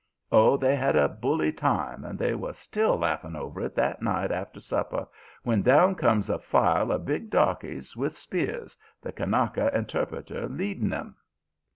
Oh, they had a bully time, and they was still laughing over it that night after supper, when down comes a file of big darkies with spears, the Kanaka interpreter leading 'em.